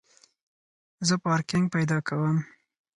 زه پارکینګ پیدا کوم